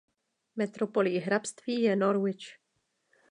Metropolí hrabství je Norwich.